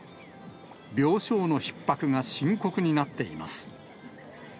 病床のひっ迫が深刻になっています。